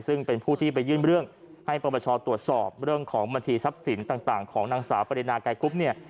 ซึ่งเป็นผู้ที่ไปยื่นเรื่องให้ประประชาตรวจสอบเรื่องของบัญชีทรัพย์สินต่างของนางสาวปรินาไกรกรุ๊ปเนี่ย